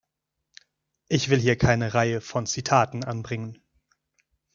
Ich will hier keine Reihe von Zitaten anbringen.